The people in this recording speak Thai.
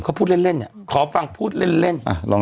เขาพูดเล่นขอฟังพูดเล่น